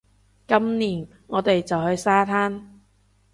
今年，我哋就去沙灘